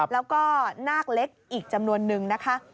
แล้วก็นาคเล็กอีกจำนวนนึงนะคะ